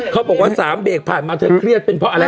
เขาบอกว่า๓เบรกผ่านมาเธอเครียดเป็นเพราะอะไร